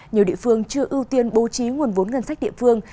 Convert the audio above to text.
nhiều địa phương chưa ưu tiên bố trí nguồn vốn ngân sách địa phương